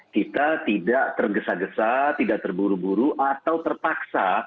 kita tidak tergesa gesa tidak terburu buru atau terpaksa